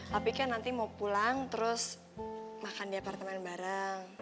tapi kan nanti mau pulang terus makan di apartemen bareng